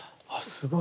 すごい。